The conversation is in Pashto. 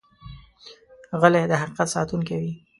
غلی، د حقیقت ساتونکی وي.